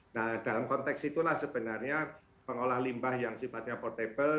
nah dalam konteks itulah sebenarnya pengolahan limbah yang sifatnya portable